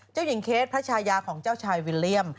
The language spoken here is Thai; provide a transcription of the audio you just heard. เจ้าหญิงเคสพระชายาของเจ้าชายวิลเลี่ยม